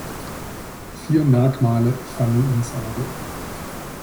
Vier Merkmale fallen ins Auge.